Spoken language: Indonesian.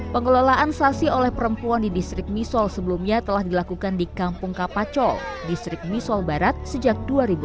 pengelolaan sasi oleh perempuan di distrik misol sebelumnya telah dilakukan di kampung kapacol distrik misol barat sejak dua ribu enam belas